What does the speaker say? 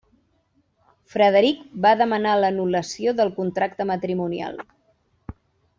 Frederic va demanar l'anul·lació del contracte matrimonial.